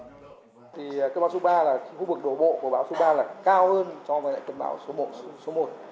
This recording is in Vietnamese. cơn bão số ba là cao hơn so với cơn bão số một